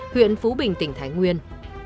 huyện phú bình tỉnh thái nguyên